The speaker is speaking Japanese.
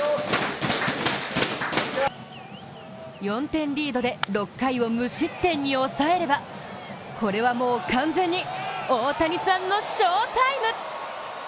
４点リードで６回を無失点に抑えれば、これはもう、完全にオオタニさんの翔タイム。